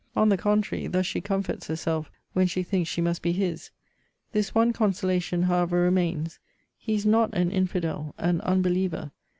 On the contrary, thus she comforts herself, when she thinks she must be his 'This one consolation, however, remains; he is not an infidel, an unbeliever.